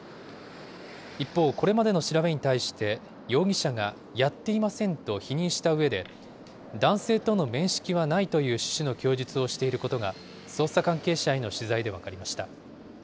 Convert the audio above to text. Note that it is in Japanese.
一方、これまでの調べに対して、容疑者が、やっていませんと否認したうえで、男性との面識はないという趣旨の供述をしていることが、捜査関係者への取材で分かりました。